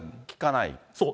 そう。